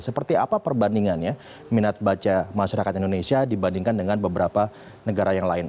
seperti apa perbandingannya minat baca masyarakat indonesia dibandingkan dengan beberapa negara yang lain